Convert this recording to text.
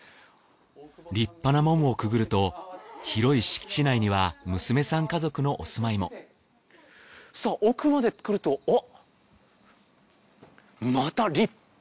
立派な門をくぐると広い敷地内には娘さん家族のお住まいも奥まで来るとおっ！